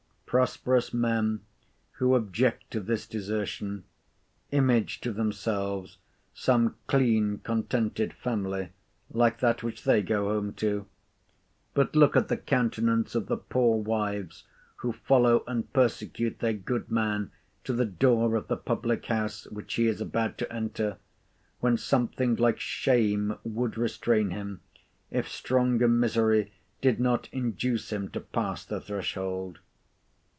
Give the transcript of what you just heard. Prosperous men, who object to this desertion, image to themselves some clean contented family like that which they go home to. But look at the countenance of the poor wives who follow and persecute their good man to the door of the public house, which he is about to enter, when something like shame would restrain him, if stronger misery did not induce him to pass the threshold.